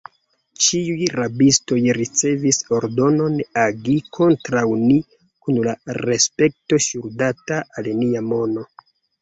Ĉiuj rabistoj ricevis ordonon agi kontraŭ ni kun la respekto ŝuldata al nia mono.